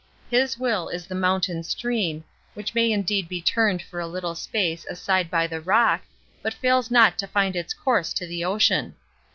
His will is the mountain stream, which may indeed be turned for a little space aside by the rock, but fails not to find its course to the ocean.